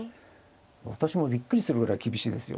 私もびっくりするぐらい厳しいですよ。